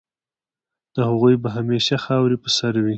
د هغوی به همېشه خاوري په سر وي